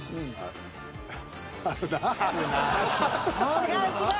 違う違う。